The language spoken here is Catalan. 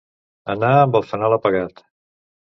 Anar amb el fanal apagat.